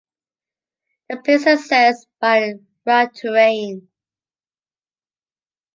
The place is accessed by a rugged terrain.